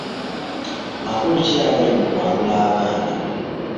Makulu ki agali mu kwalula abaana?